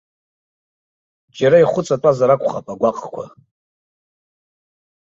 Џьара ихәыҵатәазар акәхап агәаҟқәа!